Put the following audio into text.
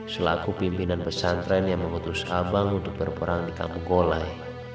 selaku pimpinan pesantren yang mengutus abang untuk berperang di kampung golai